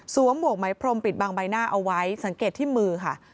หมวกไหมพรมปิดบังใบหน้าเอาไว้สังเกตที่มือค่ะ